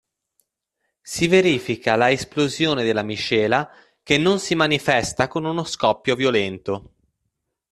Si verifica la esplosione della miscela che non si manifesta con uno scoppio violento.